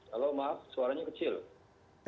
halo maaf suaranya kecil